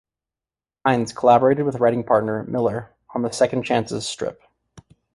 Hinds collaborated with writing partner Millar on the "Second Chances" strip.